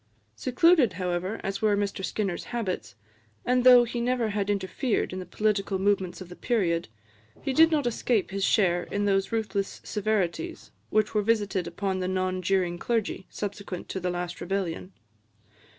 Secluded, however, as were Mr Skinner's habits, and though he never had interfered in the political movements of the period, he did not escape his share in those ruthless severities which were visited upon the non juring clergy subsequent to the last Rebellion.